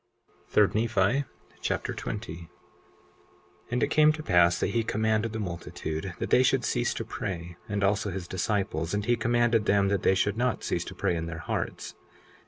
3 Nephi Chapter 20 20:1 And it came to pass that he commanded the multitude that they should cease to pray, and also his disciples. And he commanded them that they should not cease to pray in their hearts.